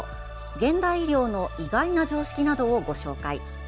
現代医療の意外な常識などをご紹介。